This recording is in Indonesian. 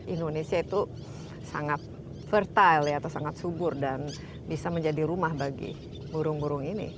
indonesia itu sangat fertile atau sangat subur dan bisa menjadi rumah bagi burung burung ini